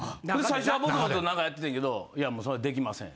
最初はボソボソと何かやっててんけど「いやもうそれはできません」